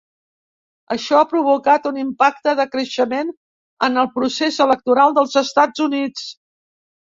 Això ha provocat un impacte de creixement en el procés electoral dels Estats Units.